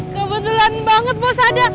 kebetulan banget bos ada